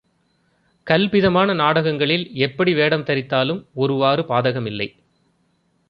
கல்பிதமான நாடகங்களில் எப்படி வேடம் தரித்தாலும் ஒருவாறு பாதகமில்லை.